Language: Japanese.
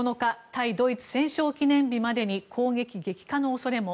対ドイツ戦勝記念日までに攻撃激化の恐れも。